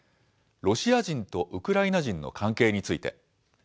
ロシア人とウクライナ人の関係について。